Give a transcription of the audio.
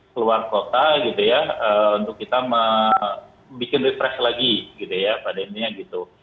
keluar kota gitu ya untuk kita bikin refresh lagi gitu ya pada ininya gitu